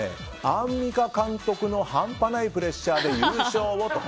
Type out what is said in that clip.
アンミカ監督の半端ないプレッシャーで優勝をと。